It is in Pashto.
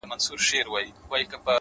و تاته چا زما غلط تعريف کړی و خدايه؛